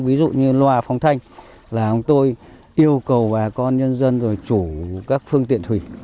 ví dụ như loa phong thanh là chúng tôi yêu cầu bà con nhân dân rồi chủ các phương tiện thủy